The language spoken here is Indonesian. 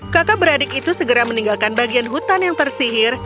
kakak beradik itu segera meninggalkan bagian hutan yang tersihir